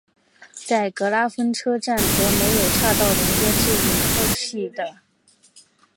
在格拉芬车站则设有岔道连接至现已废弃的。